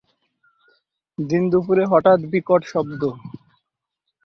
দিনে-দুপুরে হঠাৎ বিকট শব্দ।